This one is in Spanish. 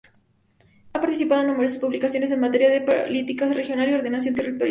Ha participado en numerosas publicaciones en materia de política regional y ordenación territorial.